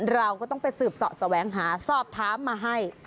เราก็ต้องไปสืบเสาะแสวงหาสอบถามมาให้